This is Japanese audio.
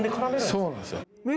そうなんですよ